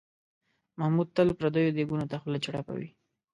محمود تل پردیو دیګونو ته خوله چړپوي.